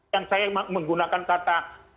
yang saya menggunakan kata